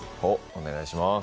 お願いします。